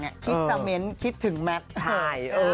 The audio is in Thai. คิดจะเมนต์คิดถึงแมทหาย